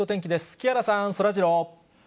木原さん、そらジロー。